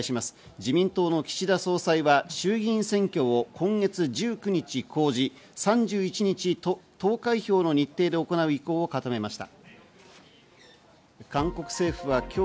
自民党の岸田総裁は衆議院選挙を今月１９日公示、３１日投開票の日程で行う意向を固めました。